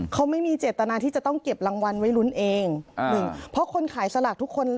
เขาไม่มีเจตนาที่จะต้องเก็บรางวัลไว้ลุ้นเองหนึ่งเพราะคนขายสลากทุกคน